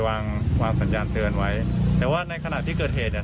วางวางสัญญาณเตือนไว้แต่ว่าในขณะที่เกิดเหตุเนี่ย